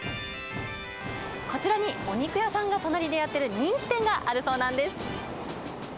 こちらにお肉屋さんが隣でやってる人気店があるそうなんです。